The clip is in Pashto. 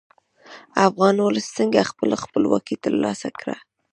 افغان ولس څنګه خپله خپلواکي تر لاسه کړه؟